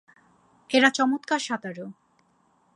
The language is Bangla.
এরা চমৎকার সাঁতারু।